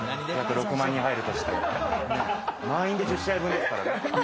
約６万人入るとしたら、満員で１０試合分ですからね。